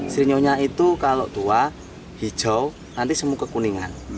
serinyonya itu kalau tua hijau nanti semu kekuningan